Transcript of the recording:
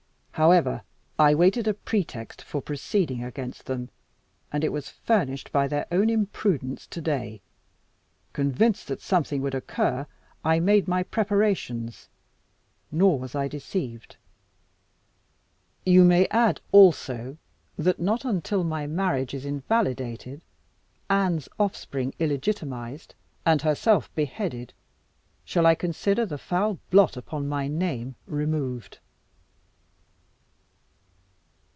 However, I awaited a pretext for proceeding against them, and it was furnished by their own imprudence to day. Convinced that something would occur, I had made my preparations; nor was I deceived. You may add, also, that not until my marriage is invalidated, Anne's offspring illegitimatised, and herself beheaded, shall I consider the foul blot upon my name removed."